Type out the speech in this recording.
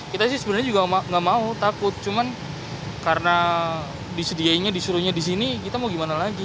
kita sih sebenarnya juga gak mau takut cuman karena disediainya disuruhnya disini kita mau gimana lagi